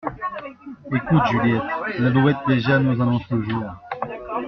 Ecoute Juliette, L’alouette déjà nous annonce le jour !